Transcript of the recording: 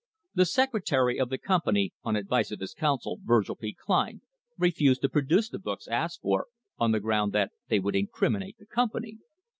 The secretary of the company, on advice of his counsel, Virgil P. Kline, refused to produce the books asked for, on the ground that they would incriminate the company.